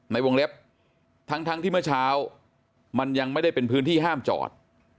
ในวงเล็บทั้งที่เมื่อเช้ามันยังไม่ได้เป็นพื้นที่ห้ามจอด